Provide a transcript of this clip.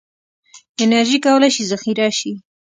انرژي کولی شي ذخیره شي.